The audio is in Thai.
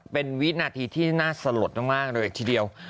เป็นวินาทีที่น่าสลดมากเลยทีเดียว